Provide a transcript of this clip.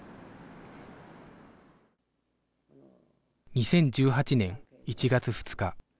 ２０１８年１月２日